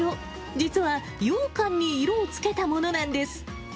実はようかんに色をつけたものなんです。